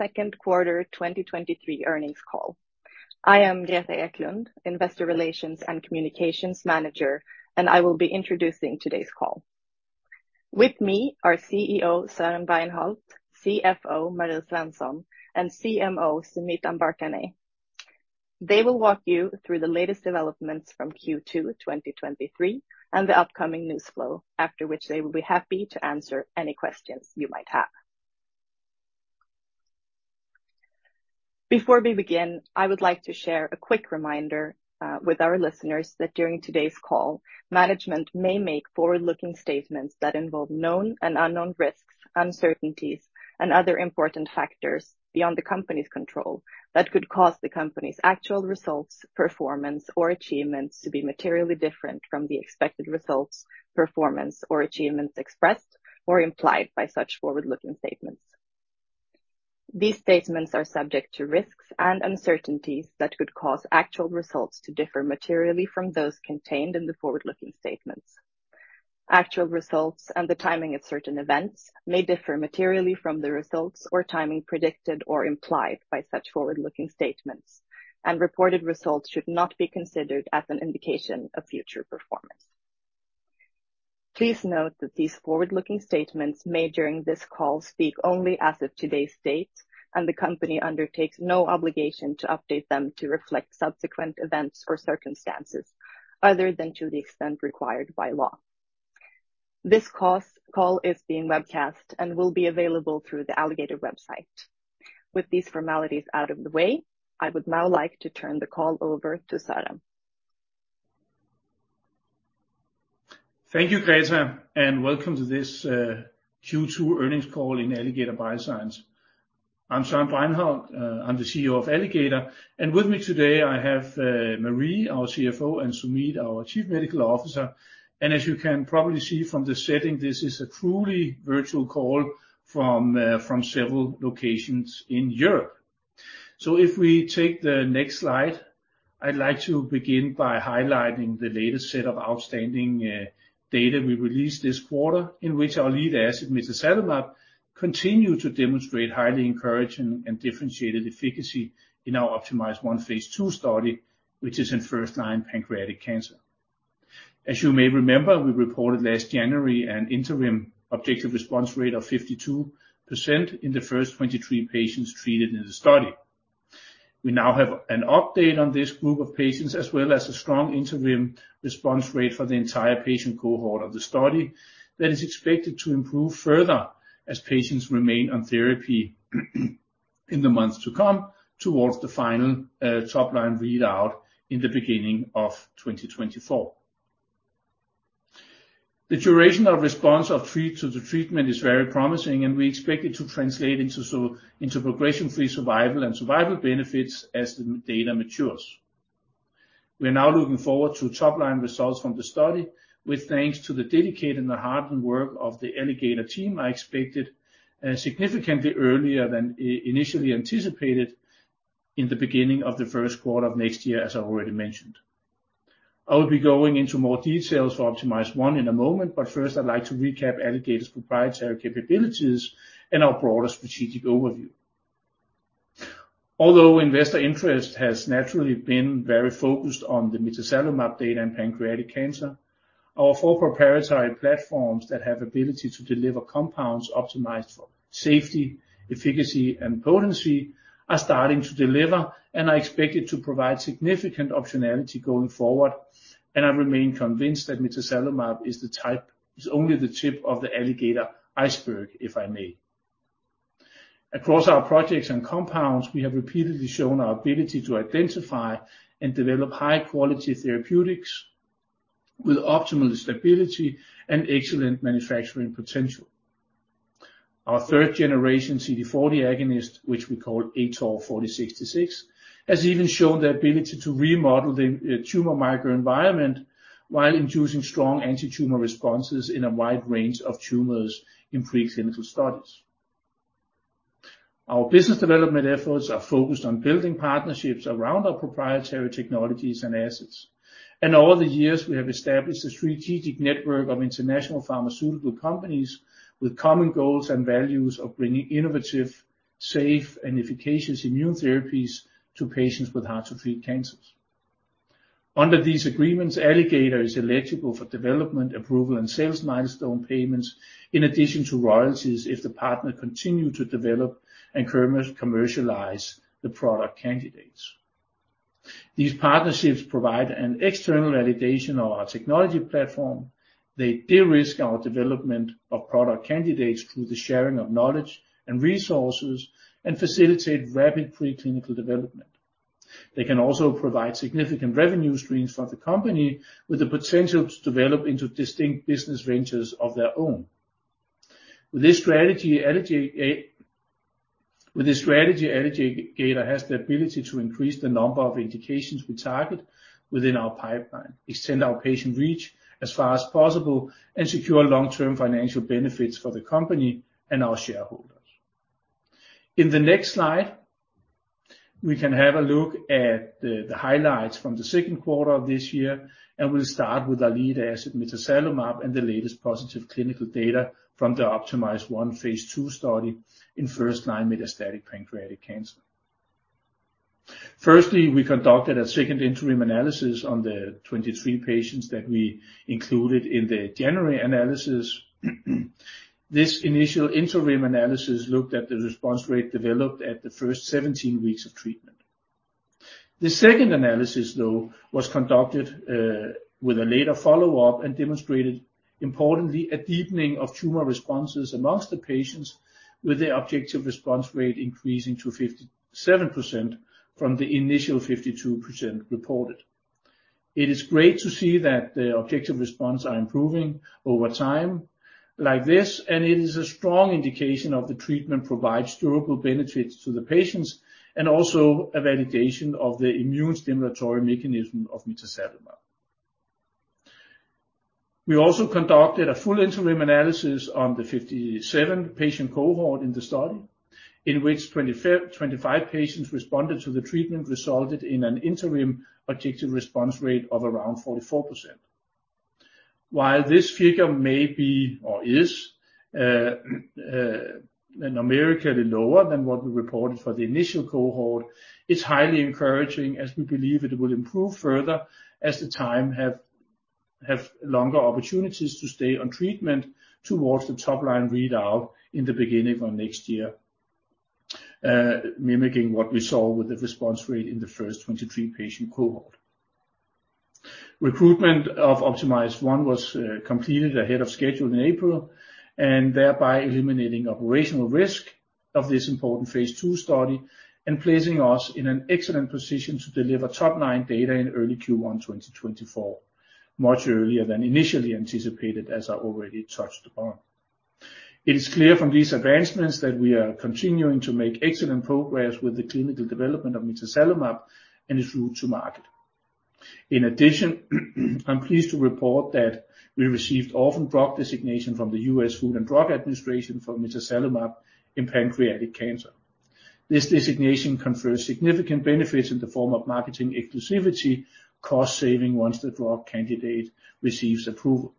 Q2 2023 Earnings Call. I am Greta Eklund, Investor Relations and Communications Manager. I will be introducing today's call. With me are CEO Søren Bregenholt, CFO Marie Svensson, and CMO Sumeet Ambarkhane. They will walk you through the latest developments from Q2 2023 and the upcoming news flow, after which they will be happy to answer any questions you might have. Before we begin, I would like to share a quick reminder with our listeners that during today's call, management may make forward-looking statements that involve known and unknown risks, uncertainties, and other important factors beyond the company's control, that could cause the company's actual results, performance, or achievements to be materially different from the expected results, performance, or achievements expressed or implied by such forward-looking statements. These statements are subject to risks and uncertainties that could cause actual results to differ materially from those contained in the forward-looking statements. Actual results and the timing of certain events may differ materially from the results or timing predicted or implied by such forward-looking statements, and reported results should not be considered as an indication of future performance. Please note that these forward-looking statements made during this call speak only as of today's date, and the company undertakes no obligation to update them to reflect subsequent events or circumstances other than to the extent required by law. This call is being webcast and will be available through the Alligator website. With these formalities out of the way, I would now like to turn the call over to Søren. Thank you, Greta, and welcome to this Q2 earnings call in Alligator Bioscience. I'm Søren Bregenholt, I'm the CEO of Alligator, and with me today, I have Marie, our CFO, and Sumeet, our Chief Medical Officer. As you can probably see from the setting, this is a truly virtual call from several locations in Europe. If we take the next slide, I'd like to begin by highlighting the latest set of outstanding data we released this quarter, in which our lead asset, mitazalimab, continued to demonstrate highly encouraging and differentiated efficacy in our OPTIMIZE-1 phase II study, which is in first-line pancreatic cancer. As you may remember, we reported last January an interim objective response rate of 52% in the first 23 patients treated in the study. We now have an update on this group of patients, as well as a strong interim response rate for the entire patient cohort of the study, that is expected to improve further as patients remain on therapy, in the months to come, towards the final, top line read out in the beginning of 2024. The duration of response of treat to the treatment is very promising, and we expect it to translate into progression-free survival and survival benefits as the data matures. We are now looking forward to top line results from the study, with thanks to the dedicated and the hard work of the Alligator team, I expected, significantly earlier than initially anticipated in the beginning of the Q1 of next year, as I already mentioned. I will be going into more details for OPTIMIZE-1 in a moment, but first, I'd like to recap Alligator's proprietary capabilities and our broader strategic overview. Although investor interest has naturally been very focused on the mitazalimab data and pancreatic cancer, our 4 proprietary platforms that have ability to deliver compounds optimized for safety, efficacy, and potency are starting to deliver, and are expected to provide significant optionality going forward. I remain convinced that mitazalimab is only the tip of the Alligator iceberg, if I may. Across our projects and compounds, we have repeatedly shown our ability to identify and develop high-quality therapeutics with optimal stability and excellent manufacturing potential. Our third-generation CD40 agonist, which we call ATOR-4066, has even shown the ability to remodel the tumor microenvironment while inducing strong antitumor responses in a wide range of tumors in preclinical studies. Our business development efforts are focused on building partnerships around our proprietary technologies and assets. Over the years, we have established a strategic network of international pharmaceutical companies with common goals and values of bringing innovative, safe, and efficacious immune therapies to patients with hard to treat cancers. Under these agreements, Alligator is eligible for development, approval, and sales milestone payments, in addition to royalties, if the partner continue to develop and commercialize the product candidates. These partnerships provide an external validation of our technology platform. They de-risk our development of product candidates through the sharing of knowledge and resources, and facilitate rapid preclinical development. They can also provide significant revenue streams for the company, with the potential to develop into distinct business ventures of their own. With this strategy, Alligator has the ability to increase the number of indications we target within our pipeline, extend our patient reach as far as possible, and secure long-term financial benefits for the company and our shareholders. In the next slide. We can have a look at the highlights from the Q2 of this year, and we'll start with our lead asset, mitazalimab, and the latest positive clinical data from the OPTIMIZE-1 phase II study in first-line metastatic pancreatic cancer. Firstly, we conducted a second interim analysis on the 23 patients that we included in the January analysis. This initial interim analysis looked at the response rate developed at the first 17 weeks of treatment. The second analysis, though, was conducted with a later follow-up and demonstrated, importantly, a deepening of tumor responses amongst the patients, with the objective response rate increasing to 57% from the initial 52% reported. It is great to see that the objective response are improving over time like this, and it is a strong indication of the treatment provides durable benefits to the patients and also a validation of the immune stimulatory mechanism of mitazalimab. We also conducted a full interim analysis on the 57 patient cohort in the study, in which 25 patients responded to the treatment, resulted in an interim objective response rate of around 44%. While this figure may be, or is, numerically lower than what we reported for the initial cohort, it's highly encouraging, as we believe it will improve further as the time have longer opportunities to stay on treatment towards the top line readout in the beginning of next year, mimicking what we saw with the response rate in the first 23 patient cohort. Recruitment of OPTIMIZE-1 was completed ahead of schedule in April. Thereby eliminating operational risk of this important phase II study and placing us in an excellent position to deliver top-line data in early Q1 2024, much earlier than initially anticipated, as I already touched upon. It is clear from these advancements that we are continuing to make excellent progress with the clinical development of mitazalimab and its route to market. I'm pleased to report that we received orphan drug designation from the US Food and Drug Administration for mitazalimab in pancreatic cancer. This designation confers significant benefits in the form of marketing exclusivity, cost saving once the drug candidate receives approval.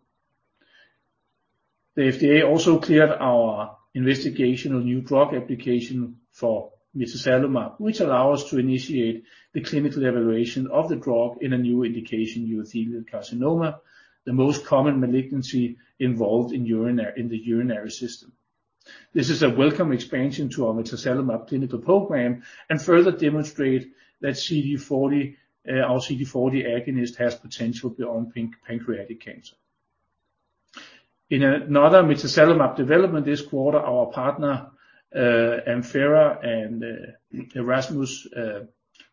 The FDA also cleared our investigational new drug application for mitazalimab, which allow us to initiate the clinical evaluation of the drug in a new indication, urothelial carcinoma, the most common malignancy involved in the urinary system. This is a welcome expansion to our mitazalimab clinical program and further demonstrate that CD40, our CD40 agonist, has potential beyond pancreatic cancer. In another mitazalimab development this quarter, our partner, Amphera and Erasmus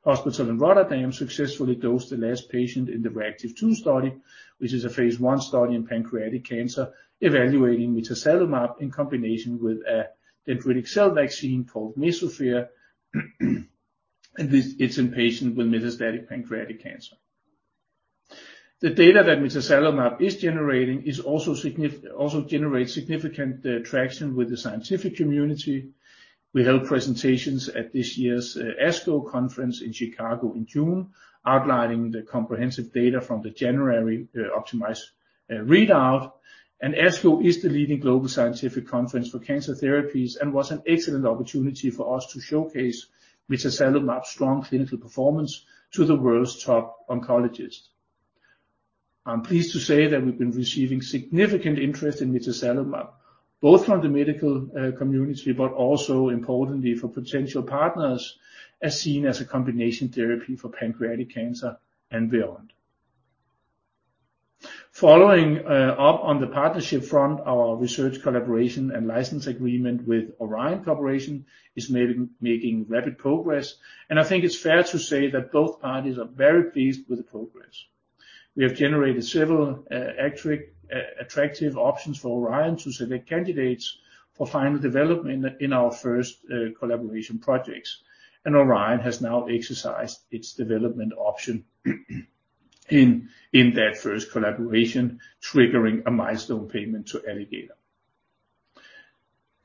Hospital in Rotterdam, successfully dosed the last patient in the REACtiVe-2 study, which is a phase I study in pancreatic cancer, evaluating mitazalimab in combination with a dendritic cell vaccine called MesoPher. It's in patient with metastatic pancreatic cancer. The data that mitazalimab is generating also generates significant traction with the scientific community. We held presentations at this year's ASCO conference in Chicago in June, outlining the comprehensive data from the January OPTIMIZE-1 readout. ASCO is the leading global scientific conference for cancer therapies and was an excellent opportunity for us to showcase mitazalimab's strong clinical performance to the world's top oncologists. I'm pleased to say that we've been receiving significant interest in mitazalimab, both from the medical community, but also importantly for potential partners, as seen as a combination therapy for pancreatic cancer and beyond. Following up on the partnership front, our research collaboration and license agreement with Orion Corporation is making rapid progress, and I think it's fair to say that both parties are very pleased with the progress. We have generated several attractive options for Orion to select candidates for final development in our first collaboration projects. Orion has now exercised its development option in that first collaboration, triggering a milestone payment to Alligator.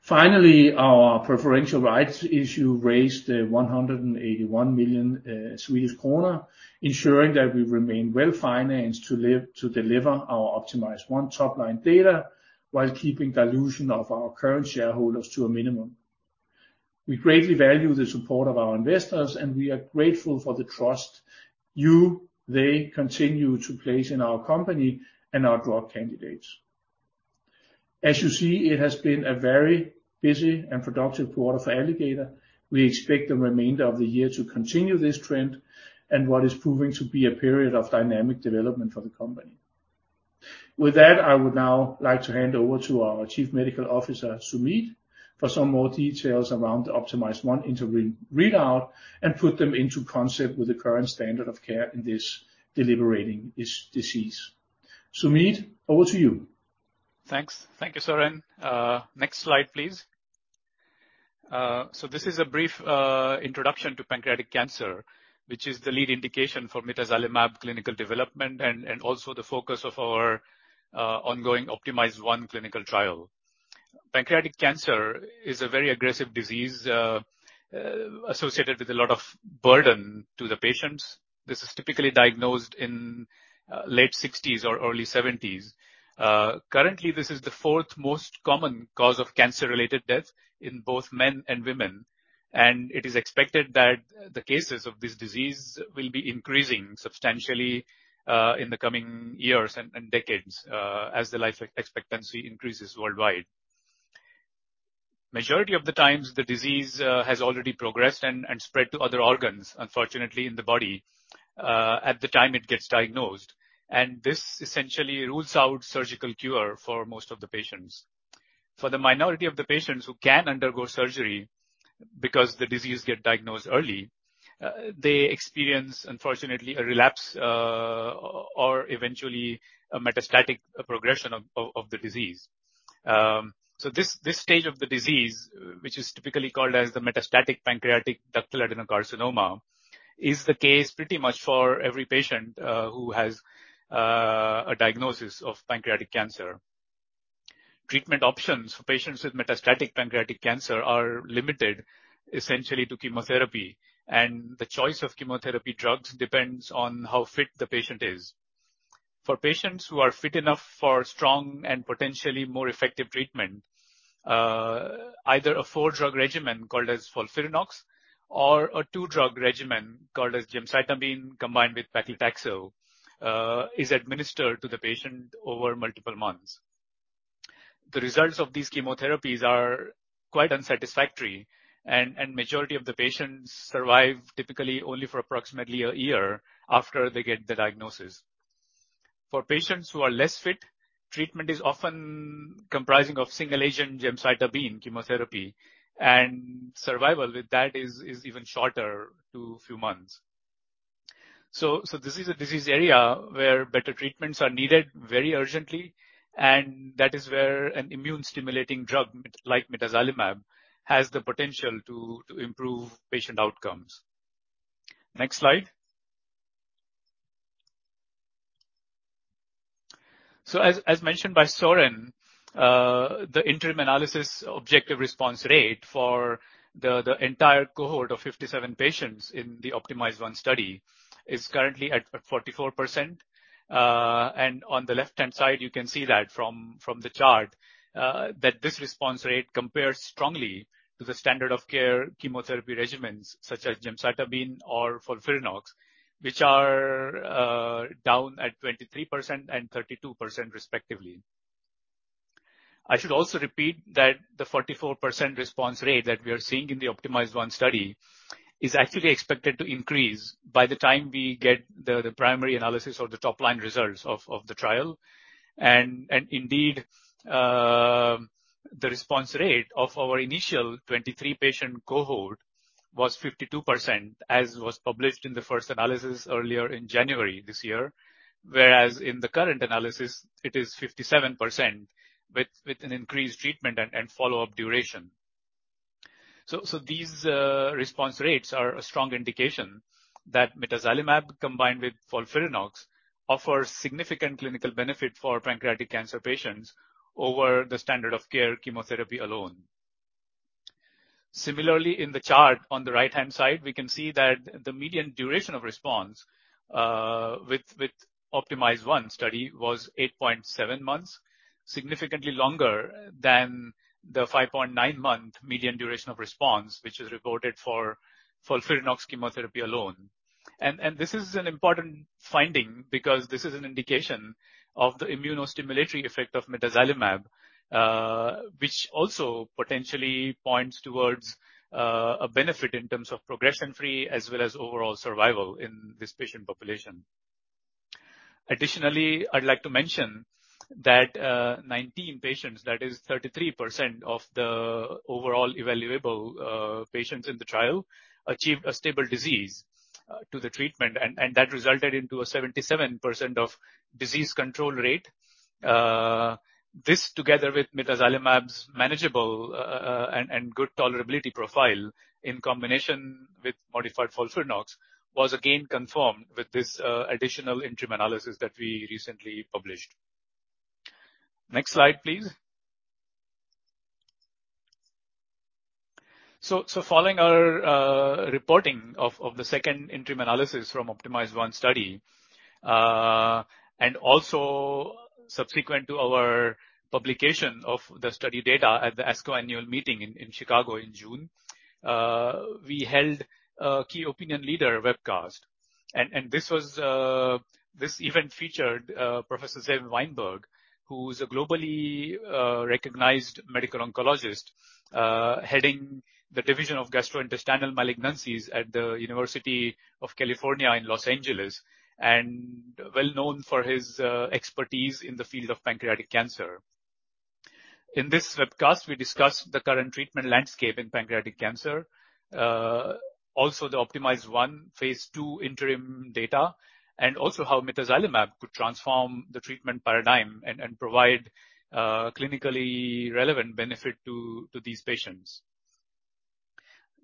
Finally, our preferential rights issue raised 181 million Swedish kronor, ensuring that we remain well-financed to deliver our OPTIMIZE-1 top line data, while keeping dilution of our current shareholders to a minimum. We greatly value the support of our investors, and we are grateful for the trust they continue to place in our company and our drug candidates. As you see, it has been a very busy and productive quarter for Alligator. We expect the remainder of the year to continue this trend and what is proving to be a period of dynamic development for the company. With that, I would now like to hand over to our Chief Medical Officer, Sumeet, for some more details around the OPTIMIZE-1 interim readout and put them into concept with the current standard of care in this debilitating disease. Sumeet, over to you. Thanks. Thank you, Søren. Next slide, please. This is a brief introduction to pancreatic cancer, which is the lead indication for mitazalimab clinical development and also the focus of our ongoing OPTIMIZE-1 clinical trial. pancreatic cancer is a very aggressive disease, associated with a lot of burden to the patients. This is typically diagnosed in late 60s or early 70s. Currently, this is the 4th most common cause of cancer-related death in both men and women, and it is expected that the cases of this disease will be increasing substantially in the coming years and decades as the life expectancy increases worldwide. Majority of the times, the disease has already progressed and spread to other organs, unfortunately, in the body, at the time it gets diagnosed, and this essentially rules out surgical cure for most of the patients. For the minority of the patients who can undergo surgery because the disease get diagnosed early, they experience, unfortunately, a relapse, or eventually a metastatic progression of the disease. This stage of the disease, which is typically called as the metastatic pancreatic ductal adenocarcinoma, is the case pretty much for every patient who has a diagnosis of pancreatic cancer. Treatment options for patients with metastatic pancreatic cancer are limited, essentially to chemotherapy, and the choice of chemotherapy drugs depends on how fit the patient is. For patients who are fit enough for strong and potentially more effective treatment, either a four-drug regimen called as FOLFIRINOX, or a two-drug regimen called as gemcitabine, combined with paclitaxel, is administered to the patient over multiple months. The results of these chemotherapies are quite unsatisfactory, and majority of the patients survive typically only for approximately a year after they get the diagnosis. For patients who are less fit, treatment is often comprising of single agent gemcitabine chemotherapy, and survival with that is even shorter to few months. This is a disease area where better treatments are needed very urgently, and that is where an immune-stimulating drug, like mitazalimab, has the potential to improve patient outcomes. Next slide. As mentioned by Soren, the interim analysis objective response rate for the entire cohort of 57 patients in the OPTIMIZE-1 study is currently at 44%. On the left-hand side, you can see that from the chart that this response rate compares strongly to the standard of care chemotherapy regimens such as gemcitabine or FOLFIRINOX, which are down at 23% and 32%, respectively. I should also repeat that the 44% response rate that we are seeing in the OPTIMIZE-1 study is actually expected to increase by the time we get the primary analysis or the top line results of the trial. Indeed, the response rate of our initial 23 patient cohort was 52%, as was published in the first analysis earlier in January this year. Whereas in the current analysis it is 57%, with an increased treatment and follow-up duration. These response rates are a strong indication that mitazalimab, combined with FOLFIRINOX, offers significant clinical benefit for pancreatic cancer patients over the standard of care, chemotherapy alone. Similarly, in the chart on the right-hand side, we can see that the median duration of response, with OPTIMIZE-1 study, was 8.7 months, significantly longer than the 5.9 month median duration of response, which is reported for FOLFIRINOX chemotherapy alone. This is an important finding because this is an indication of the immuno-stimulatory effect of mitazalimab, which also potentially points towards a benefit in terms of progression-free as well as overall survival in this patient population. Additionally, I'd like to mention that, 19 patients, that is 33% of the overall evaluable patients in the trial, achieved a stable disease to the treatment, and that resulted into a 77% of disease control rate. This, together with mitazalimab's manageable and good tolerability profile in combination with modified FOLFIRINOX, was again confirmed with this additional interim analysis that we recently published. Next slide, please. Following our reporting of the second interim analysis from OPTIMIZE-1 study, and also subsequent to our publication of the study data at the ASCO annual meeting in Chicago in June, we held a key opinion leader webcast. This was. This event featured Professor Zev Wainberg, who is a globally recognized medical oncologist, heading the division of gastrointestinal malignancies at the University of California in Los Angeles, and well known for his expertise in the field of pancreatic cancer. In this webcast, we discussed the current treatment landscape in pancreatic cancer, also the OPTIMIZE-1 phase II interim data, and also how mitazalimab could transform the treatment paradigm and provide clinically relevant benefit to these patients.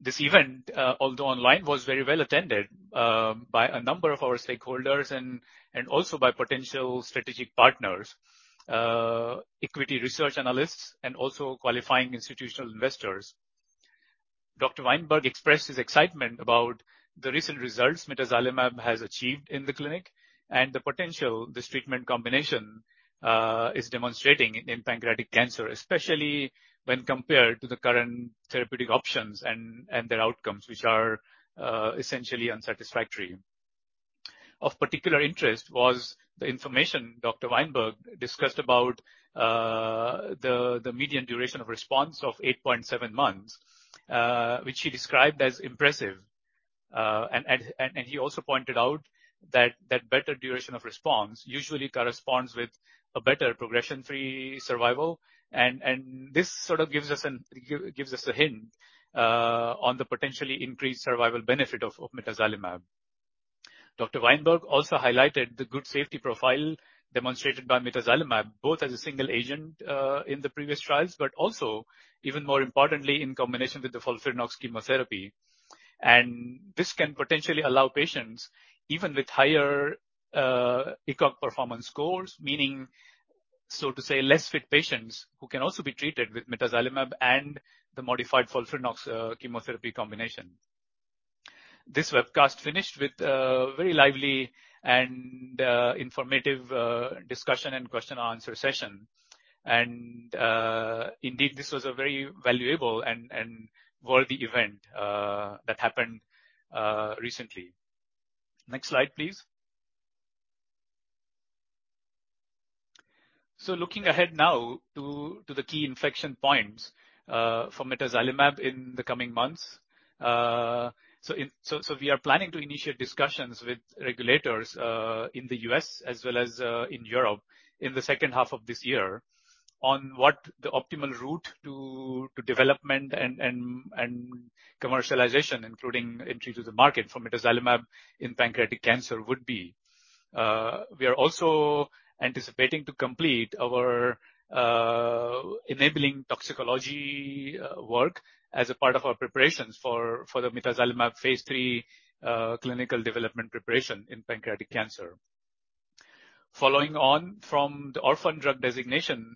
This event, although online, was very well attended by a number of our stakeholders and also by potential strategic partners, equity research analysts, and also qualifying institutional investors. Wainberg expressed his excitement about the recent results mitazalimab has achieved in the clinic, and the potential this treatment combination is demonstrating in pancreatic cancer, especially when compared to the current therapeutic options and their outcomes, which are essentially unsatisfactory. Of particular interest was the information Dr. Wainberg discussed about the median duration of response of 8.7 months, which he described as impressive. And he also pointed out that better duration of response usually corresponds with a better progression-free survival. This sort of gives us a hint on the potentially increased survival benefit of mitazalimab. Dr. Wainberg also highlighted the good safety profile demonstrated by mitazalimab, both as a single agent in the previous trials, but also, even more importantly, in combination with the FOLFIRINOX chemotherapy. This can potentially allow patients, even with higher ECOG performance scores, meaning, so to say, less fit patients, who can also be treated with mitazalimab and the modified FOLFIRINOX chemotherapy combination. This webcast finished with a very lively and informative discussion and question and answer session. Indeed, this was a very valuable and worthy event that happened recently. Next slide, please. Looking ahead now to the key inflection points for mitazalimab in the coming months. So we are planning to initiate discussions with regulators in the US as well as in Europe in the second half of this year on what the optimal route to development and commercialization, including entry to the market for mitazalimab in pancreatic cancer, would be. We are also anticipating to complete our enabling toxicology work as a part of our preparations for the mitazalimab phase III clinical development preparation in pancreatic cancer. Following on from the orphan drug designation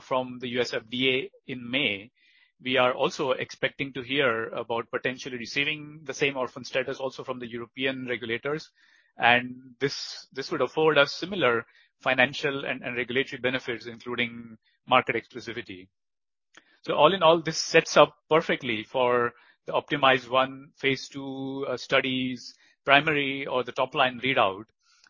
from the U.S. FDA in May, we are also expecting to hear about potentially receiving the same orphan status also from the European regulators, this would afford us similar financial and regulatory benefits, including market exclusivity. All in all, this sets up perfectly for the OPTIMIZE-1 phase II studies, primary or the top line readout,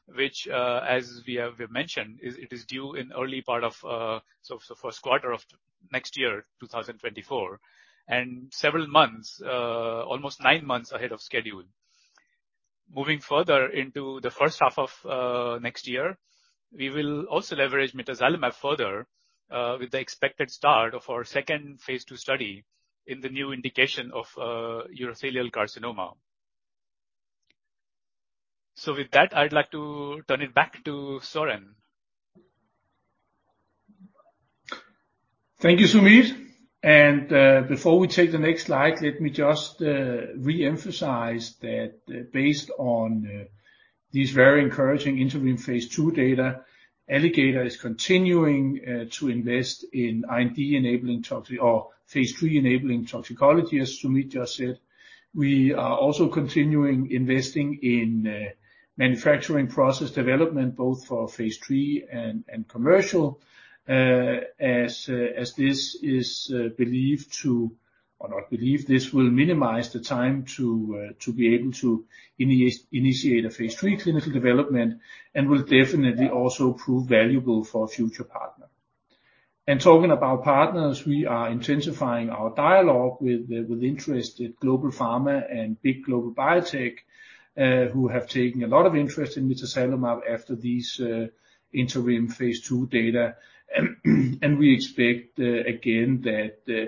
which, as we have mentioned, it is due in early part of Q1 of next year, 2024, and several months, almost nine months ahead of schedule. Moving further into the first half of next year, we will also leverage mitazalimab further, with the expected start of our second phase II study in the new indication of urothelial carcinoma. With that, I'd like to turn it back to Soren. Thank you, Sumeet. Before we take the next slide, let me just reemphasize that based on these very encouraging interim phase II data, Alligator is continuing to invest in IND-enabling toxicology or phase III enabling toxicology, as Sumeet just said. We are also continuing investing in manufacturing process development, both for phase III and commercial, as this is believed to, or not believed, this will minimize the time to be able to initiate a phase III clinical development and will definitely also prove valuable for a future partner. Talking about partners, we are intensifying our dialogue with the, with interested global pharma and big global biotech, who have taken a lot of interest in mitazalimab after these interim phase II data. We expect, again, that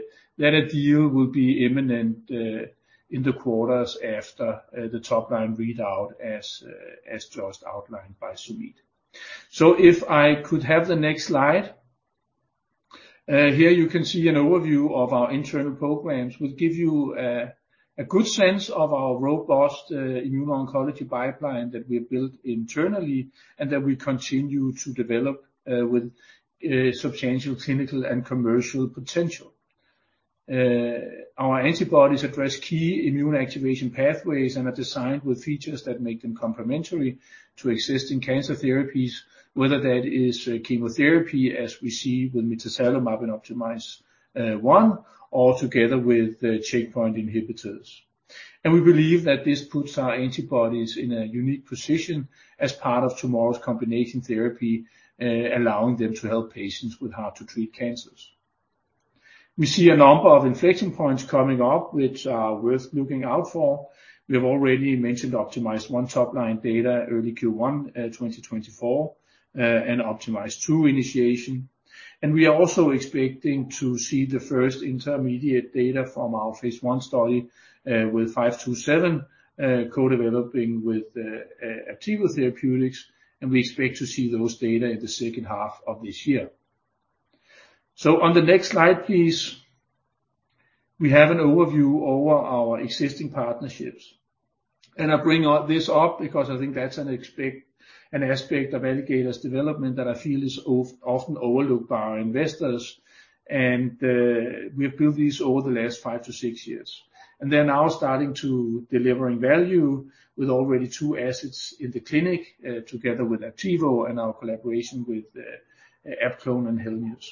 a deal will be imminent in the quarters after the top line readout, as just outlined by Sumeet. If I could have the next slide. Here you can see an overview of our internal programs, which give you a good sense of our robust immuno-oncology pipeline that we built internally and that we continue to develop with substantial clinical and commercial potential. Our antibodies address key immune activation pathways and are designed with features that make them complementary to existing cancer therapies, whether that is chemotherapy, as we see with mitazalimab and OPTIMIZE-1, or together with the checkpoint inhibitors. We believe that this puts our antibodies in a unique position as part of tomorrow's combination therapy, allowing them to help patients with hard to treat cancers. We see a number of inflection points coming up which are worth looking out for. We have already mentioned OPTIMIZE-1 top line data, early Q1 2024, and OPTIMIZE-2 initiation. We are also expecting to see the first intermediate data from our phase I study with ALG.APV-527, co-developing with Aptevo Therapeutics, and we expect to see those data in the second half of this year. On the next slide, please. We have an overview over our existing partnerships, and I bring this up because I think that's an aspect of Alligator's development that I feel is often overlooked by our investors. We have built these over the last five to six years. And they're now starting to delivering value with already two assets in the clinic, together with Aptevo and our collaboration with, AbClon and Henlius.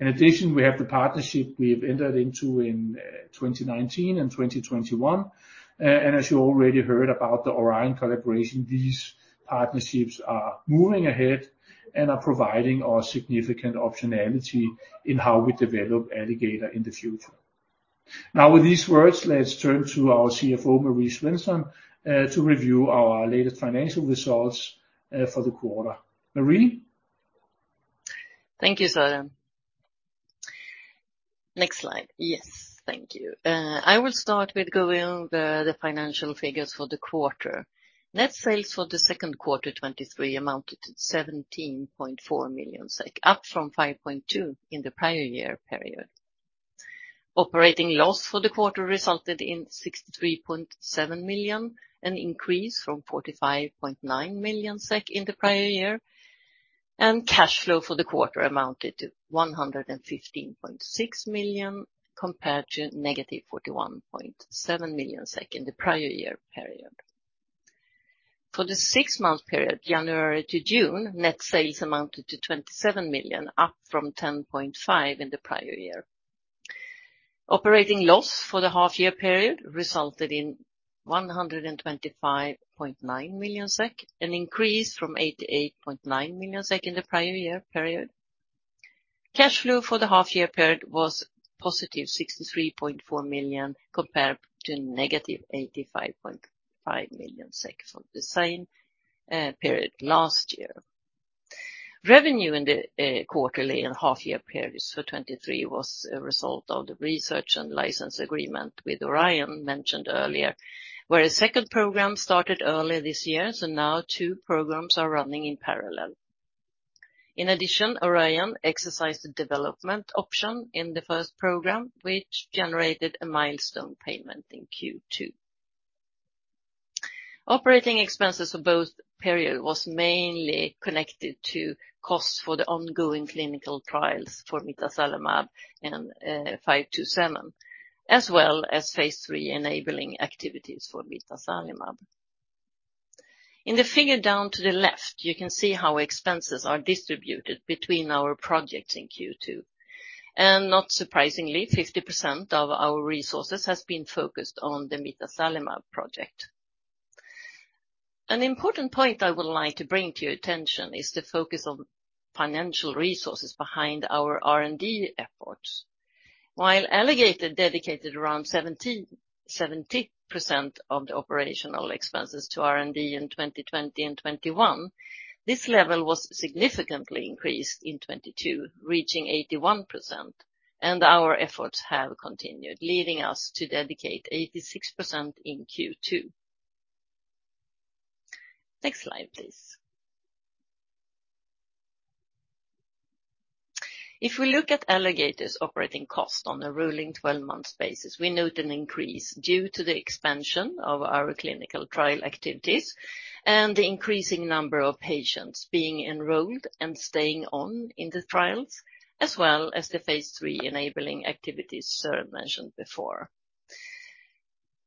In addition, we have the partnership we have entered into in 2019 and 2021. As you already heard about the Orion collaboration, these partnerships are moving ahead and are providing our significant optionality in how we develop Alligator in the future. Now, with these words, let's turn to our CFO, Marie Svensson, to review our latest financial results, for the quarter. Marie? Thank you, Søren. Next slide. Yes, thank you. I will start with going over the financial figures for the quarter. Net sales for the Q2 2023 amounted to 17.4 million SEK, up from 5.2 million in the prior year period. Operating loss for the quarter resulted in 63.7 million, an increase from 45.9 million SEK in the prior year. Cash flow for the quarter amounted to 115.6 million, compared to negative 41.7 million SEK in the prior year period. For the six-month period, January to June, net sales amounted to 27 million, up from 10.5 million in the prior year. Operating loss for the half year period resulted in 125.9 million SEK, an increase from 88.9 million SEK in the prior year period. Cash flow for the half year period was positive 63.4 million, compared to negative 85.5 million for the same period last year. Revenue in the quarterly and half year periods for 2023 was a result of the research and license agreement with Orion, mentioned earlier, where a second program started earlier this year, so now 2 programs are running in parallel. In addition, Orion exercised the development option in the first program, which generated a milestone payment in Q2. Operating expenses for both period was mainly connected to costs for the ongoing clinical trials for mitazalimab and 527, as well as phase III enabling activities for mitazalimab. In the figure down to the left, you can see how expenses are distributed between our projects in Q2. Not surprisingly, 50% of our resources has been focused on the mitazalimab project. An important point I would like to bring to your attention is the focus on financial resources behind our R&D efforts. While Alligator dedicated around 70% of the operational expenses to R&D in 2020 and 2021, this level was significantly increased in 2022, reaching 81%, and our efforts have continued, leading us to dedicate 86% in Q2. Next slide, please. If we look at Alligator's operating cost on a rolling 12-month basis, we note an increase due to the expansion of our clinical trial activities and the increasing number of patients being enrolled and staying on in the trials, as well as the phase III enabling activities Søren mentioned before.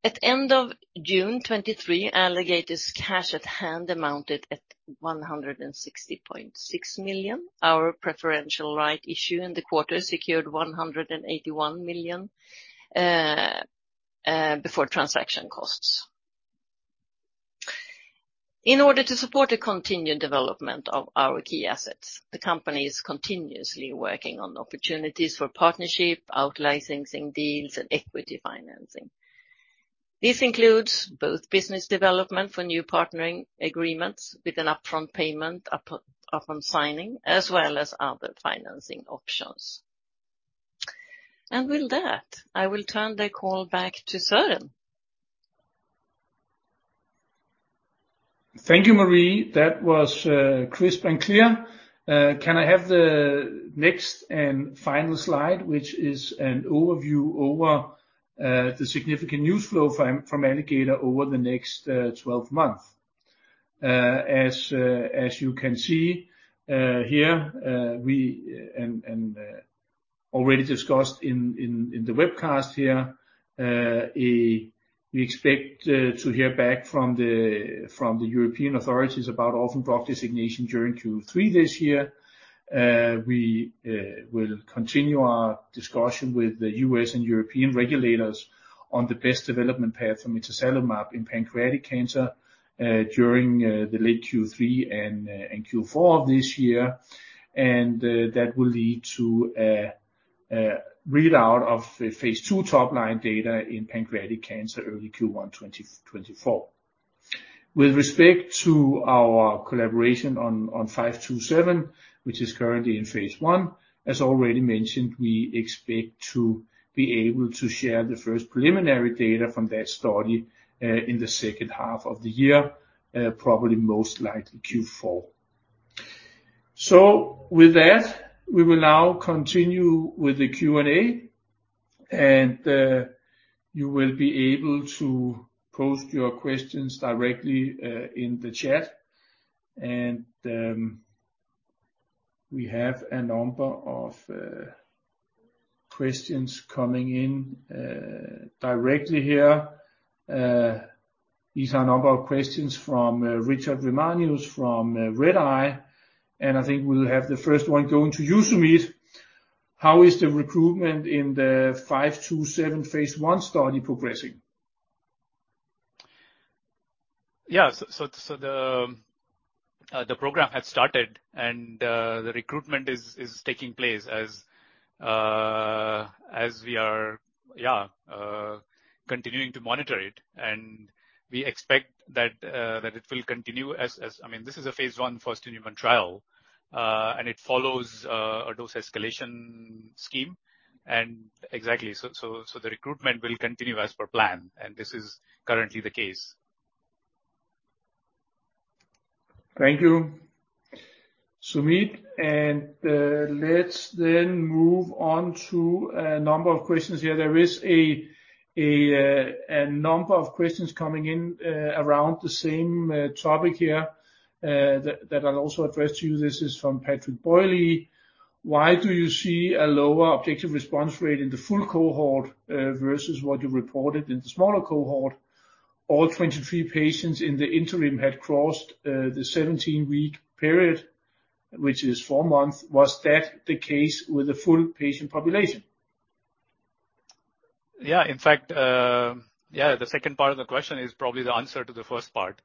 At end of June 2023, Alligator's cash at hand amounted at 160.6 million. Our preferential right issue in the quarter secured 181 million before transaction costs. In order to support the continued development of our key assets, the company is continuously working on opportunities for partnership, out licensing deals, and equity financing. This includes both business development for new partnering agreements with an upfront payment upon signing, as well as other financing options. With that, I will turn the call back to Søren. Thank you, Marie. That was crisp and clear. Can I have the next and final slide, which is an overview over the significant news flow from Alligator over the next 12 months? As you can see, here, we, and, already discussed in, in the webcast here, we expect to hear back from the European authorities about orphan drug designation during Q3 this year. We will continue our discussion with the U.S. and European regulators on the best development path for mitazalimab in pancreatic cancer during the late Q3 and Q4 of this year. That will lead to a readout of the phase II top line data in pancreatic cancer early Q1 2024. With respect to our collaboration on 527, which is currently in phase I, as already mentioned, we expect to be able to share the first preliminary data from that study in the second half of the year, probably most likely Q4. With that, we will now continue with the Q&A, you will be able to post your questions directly in the chat. We have a number of questions coming in directly here. These are a number of questions from Richard Ramanius from Redeye, I think we'll have the first one going to you, Sumeet. How is the recruitment in the 527 phase I study progressing? Yeah. The program had started, the recruitment is taking place as we are, yeah, continuing to monitor it. We expect that it will continue as... I mean, this is a phase I first human trial, and it follows a dose escalation scheme. Exactly, so the recruitment will continue as per plan, and this is currently the case. Thank you, Sumeet. Let's move on to a number of questions here. There is a number of questions coming in around the same topic here that I'll also address to you. This is from Patrick Boily. Why do you see a lower objective response rate in the full cohort versus what you reported in the smaller cohort? All 23 patients in the interim had crossed the 17-week period, which is 4 months. Was that the case with the full patient population? Yeah, in fact, yeah, the second part of the question is probably the answer to the first part.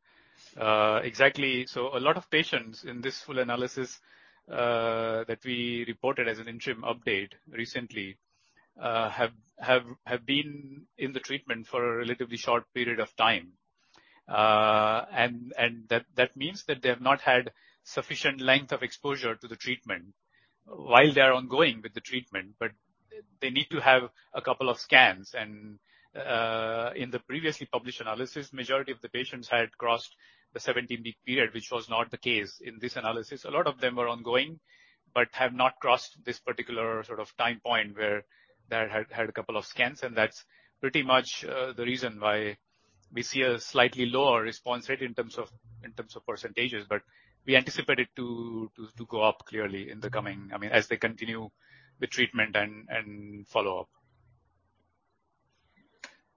Exactly. A lot of patients in this full analysis that we reported as an interim update recently have been in the treatment for a relatively short period of time. And that means that they have not had sufficient length of exposure to the treatment while they are ongoing with the treatment, but they need to have a couple of scans. In the previously published analysis, majority of the patients had crossed the 17-week period, which was not the case in this analysis. A lot of them are ongoing, have not crossed this particular sort of time point where they had a couple of scans, and that's pretty much the reason why we see a slightly lower response rate in terms of, in terms of %, but we anticipate it to go up clearly in the coming, I mean, as they continue the treatment and follow up.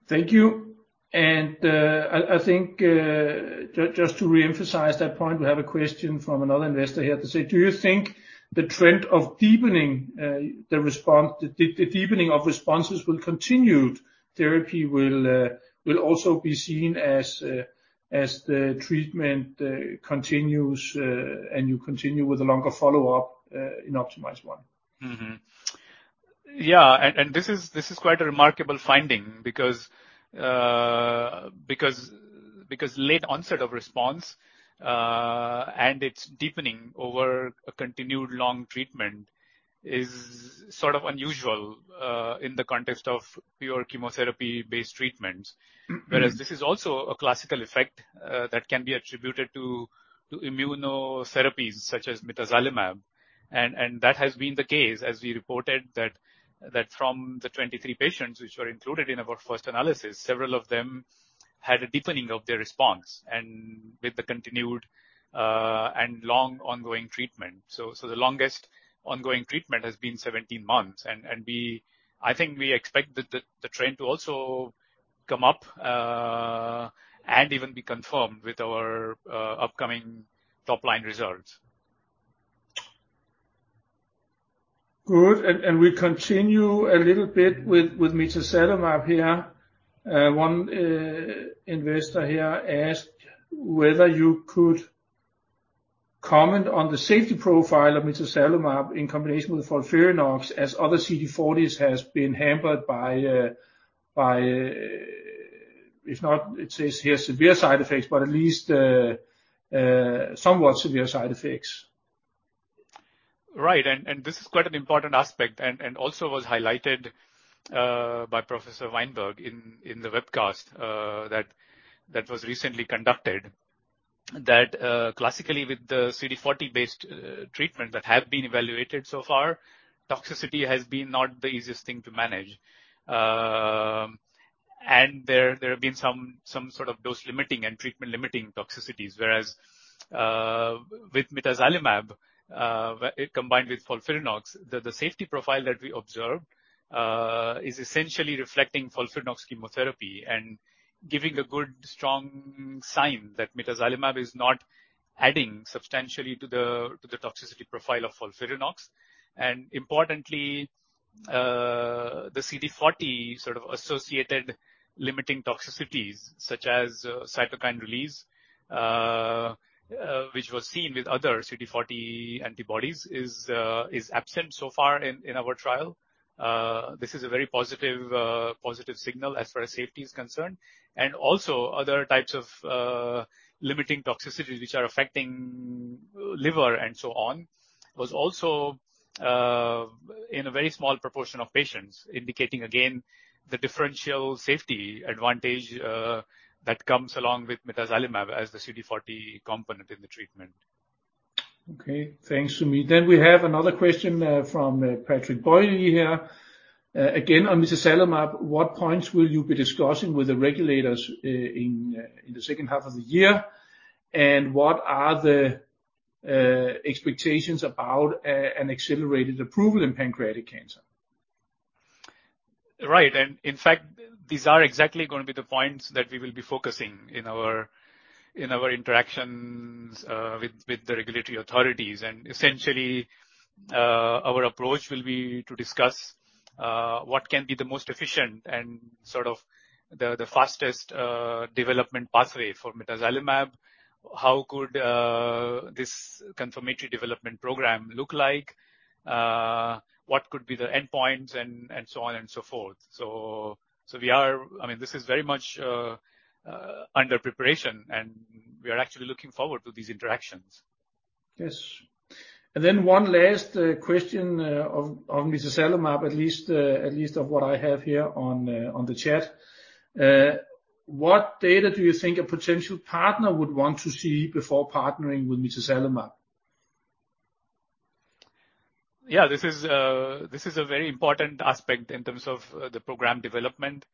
Thank you. I think just to reemphasize that point, we have a question from another investor here to say: Do you think the trend of deepening the response, the deepening of responses will continued therapy will also be seen as the treatment continues and you continue with a longer follow-up in OPTIMIZE-1? Mm-hmm. Yeah, this is quite a remarkable finding because late onset of response, and it's deepening over a continued long treatment is sort of unusual, in the context of pure chemotherapy-based treatments. Mm-hmm. This is also a classical effect that can be attributed to immunotherapies such as mitazalimab. That has been the case, as we reported that from the 23 patients which were included in our first analysis, several of them had a deepening of their response and with the continued and long ongoing treatment. The longest ongoing treatment has been 17 months, and I think we expect the trend to also come up and even be confirmed with our upcoming top-line results. Good. We continue a little bit with mitazalimab here. one investor here asked whether you could comment on the safety profile of mitazalimab in combination with FOLFIRINOX, as other CD40s has been hampered by, if not, it says here, severe side effects, but at least somewhat severe side effects. Right. This is quite an important aspect, and also was highlighted by Professor Wainberg in the webcast that was recently conducted. Classically, with the CD40-based treatment that have been evaluated so far, toxicity has been not the easiest thing to manage. There have been some sort of dose-limiting and treatment-limiting toxicities, whereas with mitazalimab combined with FOLFIRINOX, the safety profile that we observed is essentially reflecting FOLFIRINOX chemotherapy and giving a good strong sign that mitazalimab is not adding substantially to the toxicity profile of FOLFIRINOX. Importantly, the CD40 sort of associated limiting toxicities, such as cytokine release, which was seen with other CD40 antibodies, is absent so far in our trial. This is a very positive signal as far as safety is concerned. Also, other types of limiting toxicities which are affecting liver and so on, was also in a very small proportion of patients, indicating, again, the differential safety advantage that comes along with mitazalimab as the CD40 component in the treatment. Okay, thanks, Sumeet. We have another question from Patrick Boily here. Again, on mitazalimab, what points will you be discussing with the regulators in the second half of the year? What are the expectations about an accelerated approval in pancreatic cancer? Right. In fact, these are exactly going to be the points that we will be focusing in our interactions with the regulatory authorities. Essentially, our approach will be to discuss what can be the most efficient and sort of the fastest development pathway for mitazalimab. How could this confirmatory development program look like, what could be the endpoints and so on and so forth. I mean, this is very much under preparation, and we are actually looking forward to these interactions. Yes. Then one last question on mitazalimab, at least of what I have here on the chat. What data do you think a potential partner would want to see before partnering with mitazalimab? Yeah, this is a very important aspect in terms of the program development.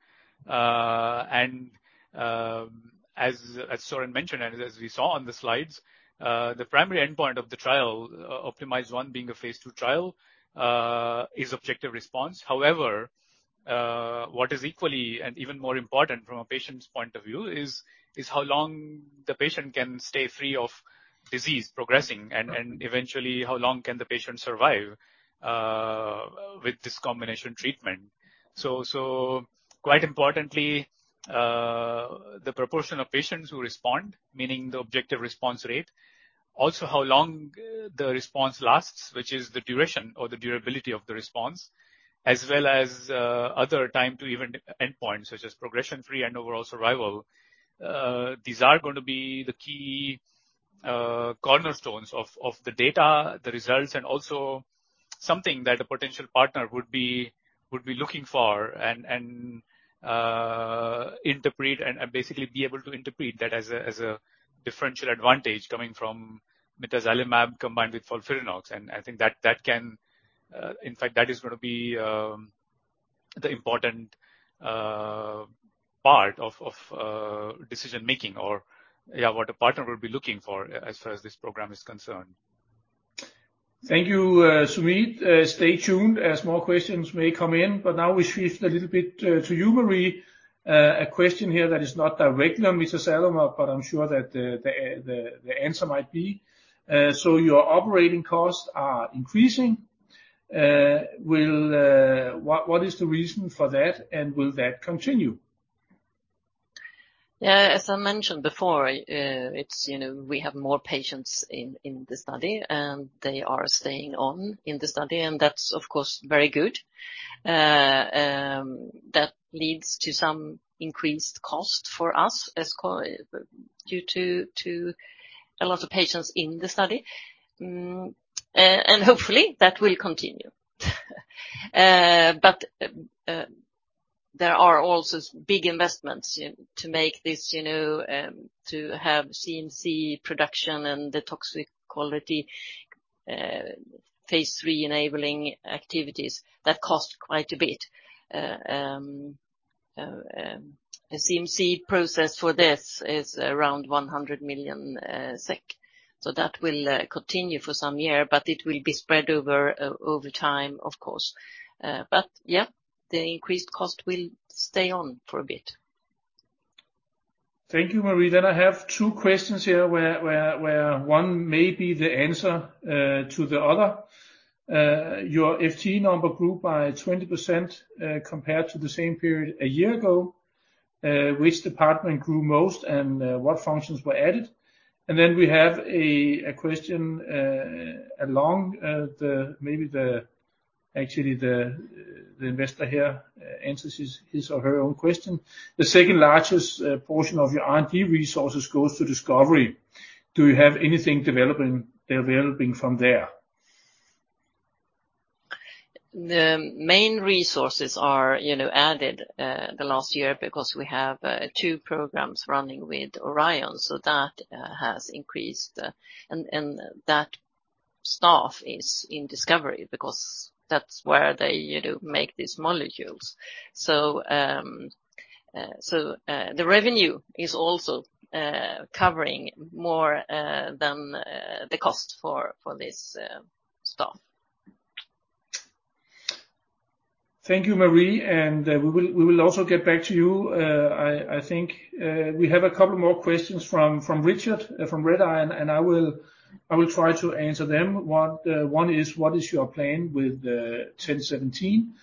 As Søren mentioned, and as we saw on the slides, the primary endpoint of the trial, OPTIMIZE-1 being a phase II trial, is objective response. However, what is equally and even more important from a patient's point of view is how long the patient can stay free of disease progressing, and eventually, how long can the patient survive with this combination treatment. Quite importantly, the proportion of patients who respond, meaning the objective response rate, also how long the response lasts, which is the duration or the durability of the response, as well as other time to even endpoints, such as progression-free and overall survival. These are going to be the key cornerstones of the data, the results, and also something that a potential partner would be looking for and interpret and basically be able to interpret that as a differential advantage coming from mitazalimab, combined with FOLFIRINOX. I think that can. In fact, that is going to be the important part of decision-making or, yeah, what a partner will be looking for as far as this program is concerned. Thank you, Sumeet. Stay tuned as more questions may come in. Now we shift a little bit to you, Marie. A question here that is not directly on mitazalimab. I'm sure that the answer might be. Your operating costs are increasing. What is the reason for that, and will that continue? As I mentioned before, you know, we have more patients in the study, and they are staying on in the study, and that's, of course, very good. That leads to some increased cost for us due to a lot of patients in the study. Hopefully, that will continue. There are also big investments to make this, you know, to have CMC production and the toxic quality, phase III enabling activities that cost quite a bit. The CMC process for this is around 100 million SEK. That will continue for some year, but it will be spread over time, of course. The increased cost will stay on for a bit. Thank you, Marie. I have 2 questions here, where one may be the answer to the other. Your FT number grew by 20% compared to the same period a year ago. Which department grew most, and what functions were added? We have a question. Actually, the investor here answers his or her own question. The 2nd largest portion of your R&D resources goes to discovery. Do you have anything developing from there? The main resources are, you know, added, the last year because we have 2 programs running with Orion, so that has increased. And that staff is in discovery because that's where they, you know, make these molecules. The revenue is also covering more than the cost for this staff. Thank you, Marie. We will also get back to you. I think we have a couple more questions from Richard, from Redeye. I will try to answer them. One is: What is your plan with 1017?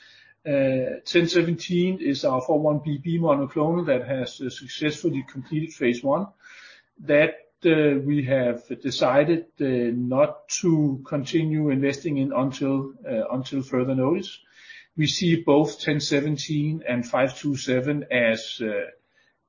1017 is our 4-1BB monoclonal that has successfully completed phase I. We have decided not to continue investing in until further notice. We see both 1017 and 527 as, or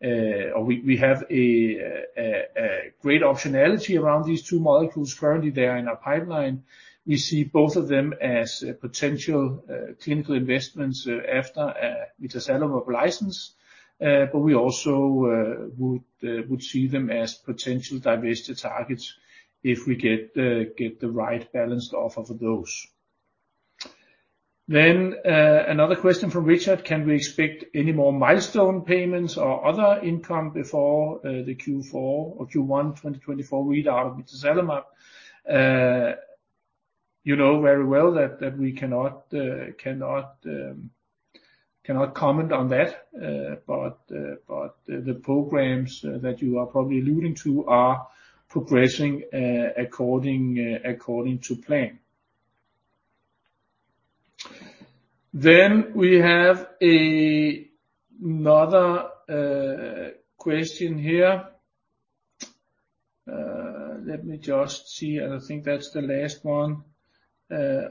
we have a great optionality around these two molecules. Currently, they are in our pipeline. We see both of them as potential clinical investments after mitazalimab license. But we also would see them as potential diversity targets if we get the right balanced offer for those. Another question from Richard: Can we expect any more milestone payments or other income before the Q4 or Q1 2024 readout of mitazalimab? You know very well that we cannot comment on that. But the programs that you are probably alluding to are progressing according to plan. We have another question here. Let me just see, and I think that's the last one,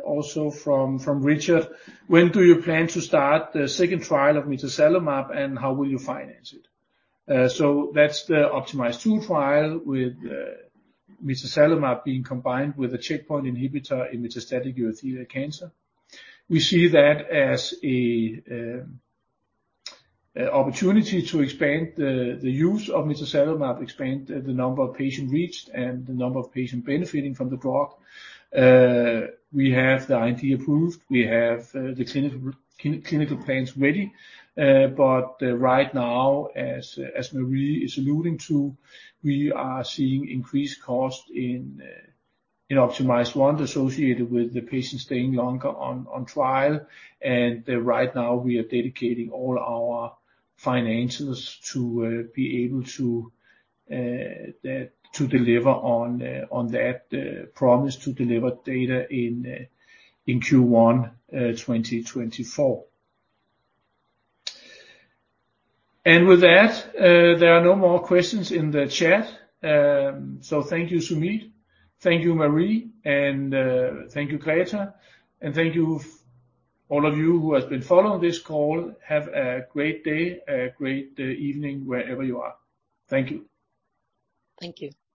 also from Richard. When do you plan to start the second trial of mitazalimab, and how will you finance it? That's the OPTIMIZE-2 trial with mitazalimab being combined with a checkpoint inhibitor in metastatic urothelial carcinoma. We see that as an opportunity to expand the use of mitazalimab, expand the number of patient reached and the number of patient benefiting from the drug. We have the IND approved, we have the clinical plans ready. Right now, as Marie is alluding to, we are seeing increased cost in OPTIMIZE-1, associated with the patient staying longer on trial. Right now we are dedicating all our finances to be able to deliver on that promise to deliver data in Q1 2024. With that, there are no more questions in the chat. Thank you, Sumeet. Thank you, Marie, and thank you, Greta. Thank you, all of you who has been following this call. Have a great day, a great evening, wherever you are. Thank you. Thank you.